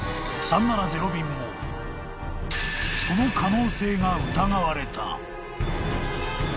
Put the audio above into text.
［３７０便もその可能性が疑われた］